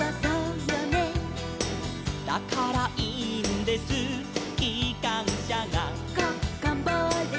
「だからいいんですきかんしゃが」